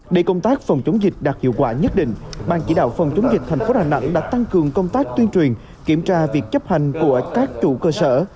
để công tác phòng chống dịch đạt hiệu quả nhất định ban chỉ đạo phòng chống dịch thành phố đà nẵng đã tăng cường công tác tuyên truyền kiểm tra việc chấp hành của các chủ cơ sở